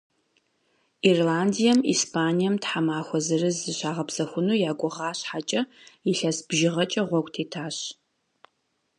Ирландием, Испанием тхьэмахуэ зырыз зыщагъэпсэхуну я гугъа щхьэкӏэ, илъэс бжыгъэкӏэ гъуэгу тетащ.